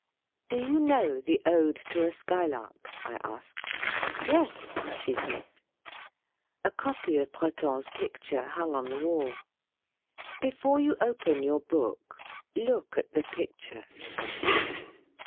" Do you know the ode 'To a Skylark'?" I asked. "Yes," she said. A copy of Breton's picture hung on the wall. "Before you open your book, look at the picture," I said.